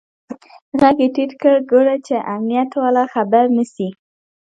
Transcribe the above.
ږغ يې ټيټ کړ ګوره چې امنيت والا خبر نسي.